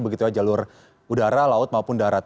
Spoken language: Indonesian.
begitulah jalur udara laut maupun darat